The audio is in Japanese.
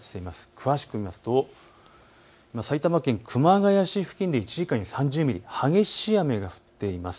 詳しく見ますと埼玉県熊谷市付近で１時間に３０ミリ、激しい雨が降っています。